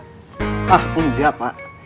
hah oh iya pak